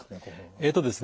えっとですね